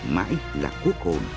mãi là cuối cùng